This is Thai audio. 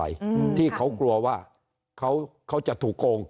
อืมที่เขากลัวว่าเขาเขาจะถูกโกง